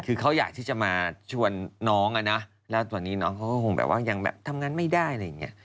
คือเขาอยากที่จะมาชวนน้องอ่ะนะแล้วตอนนี้น้องเขาก็คงแบบว่ายังแบบทำงานไม่ได้อะไรอย่างนี้